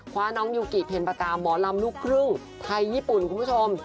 คว้าน้องยูกิเพ็ญปากาหมอลำลูกครึ่งไทยญี่ปุ่นคุณผู้ชม